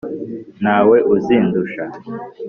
nta we uzindusha.